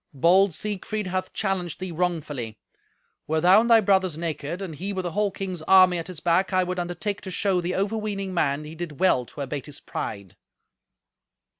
Bold Siegfried hath challenged thee wrongfully. Were thou and thy brothers naked, and he with a whole king's army at his back, I would undertake to show the overweening man he did well to abate his pride."